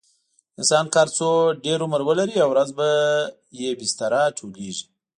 انسان که هر څو ډېر عمر ولري، یوه ورځ به یې بستره ټولېږي.